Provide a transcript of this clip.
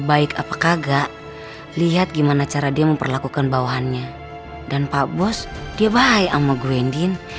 baik apa kagak lihat gimana cara dia memperlakukan bawahannya dan pak bos dia bahaya ama gue indien